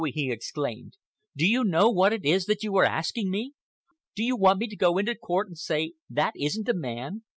he exclaimed, "do you know what it is that you are asking me? Do you want me to go into court and say—'That isn't the man...